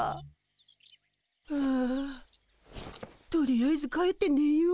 あとりあえず帰ってねよう。